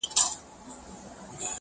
بهرني نظرونه موضوع زياتوي نور,